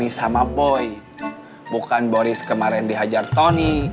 itu harusnya digunakan tarian